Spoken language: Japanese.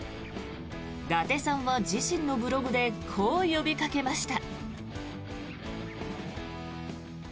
伊達さんは自身のブログでこう呼びかけました。